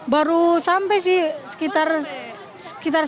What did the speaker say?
baru sampai sih sekitar setengah jam